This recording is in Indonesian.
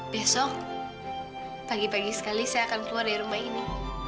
besok pagi pagi sekali saya akan keluar dari rumah ini